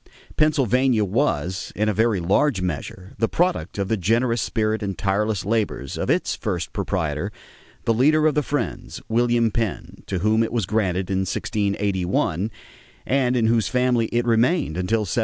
Pennsylvania was, in a very large measure, the product of the generous spirit and tireless labors of its first proprietor, the leader of the Friends, William Penn, to whom it was granted in 1681 and in whose family it remained until 1776.